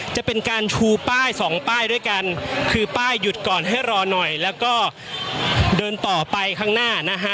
จะเป็นการชูป้ายสองป้ายด้วยกันคือป้ายหยุดก่อนให้รอหน่อยแล้วก็เดินต่อไปข้างหน้านะฮะ